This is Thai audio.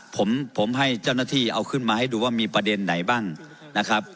ผมผมให้เจ้าหน้าที่เอาขึ้นมาให้ดูว่ามีประเด็นไหนบ้างนะครับ